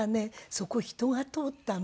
そこ人が通ったの。